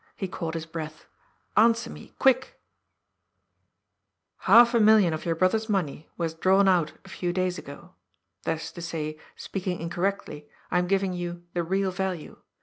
He caught his breath. " Answer me. Quick !"•" Half a million of your brother's money was drawn out a few days ago. That is to say, speaking incorrectly, I am giving you the real value.